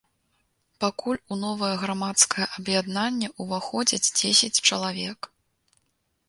Пакуль у новае грамадскае аб'яднанне ўваходзяць дзесяць чалавек.